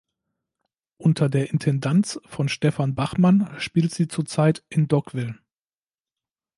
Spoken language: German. Unter der Intendanz von Stephan Bachmann spielt sie zurzeit in "Dogville".